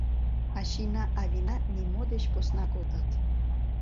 Ачийна-авийна нимо деч посна колтат!..